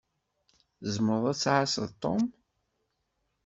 Tzemṛeḍ ad tɛasseḍ Tom?